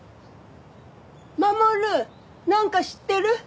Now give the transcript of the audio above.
守なんか知ってる？